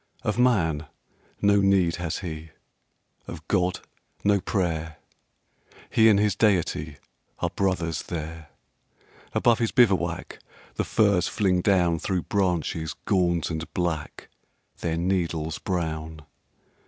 Of man no need has he, of God, no prayer; He and his Deity are brothers there. Above his bivouac the firs fling down Through branches gaunt and black, their needles brown.